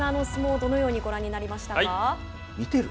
どのようにご覧になりましたか。